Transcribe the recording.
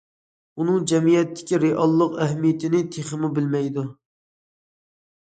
ئۇنىڭ جەمئىيەتتىكى رېئال ئەھمىيىتىنى تېخىمۇ بىلمەيدۇ.